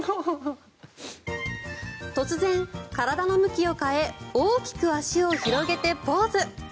突然、体の向きを変え大きく足を広げてポーズ。